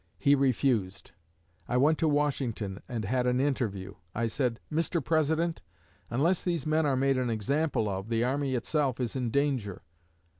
He refused. I went to Washington and had an interview. I said: 'Mr. President, unless these men are made an example of, the army itself is in danger.